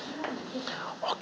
ＯＫ。